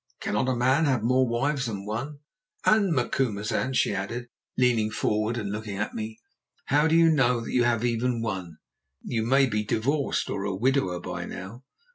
Cannot a man have more wives than one? And, Macumazahn," she added, leaning forward and looking at me, "how do you know that you have even one? You may be divorced or a widower by now."